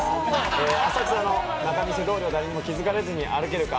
浅草の仲見世通りを誰にも気づかれずに歩けるか。